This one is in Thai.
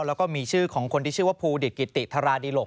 แล้วก็มีชื่อของคนที่ชื่อว่าภูดิตกิติธาราดีหก